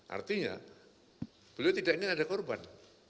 artinya beliau tidak ingin ada korban